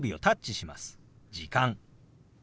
「時間」。